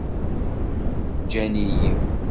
Ǧǧan-iyi.